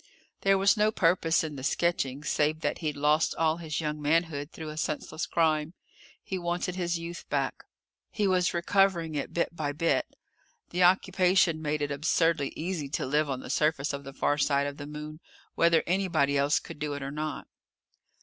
There was no purpose in the sketching, save that he'd lost all his young manhood through a senseless crime. He wanted his youth back. He was recovering it bit by bit. The occupation made it absurdly easy to live on the surface of the far side of the Moon, whether anybody else could do it or not.